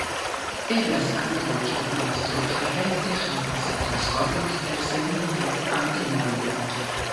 Eblas ankaŭ ke la masto rekte havas la taskon elsendi per antenoj.